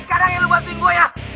sekarang yang lu bantuin gua ya